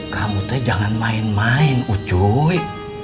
kamu teh jangan main main u cuy